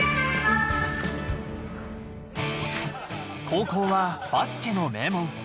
高校はバスケの名門。